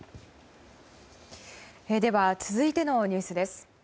続いてのニュースです。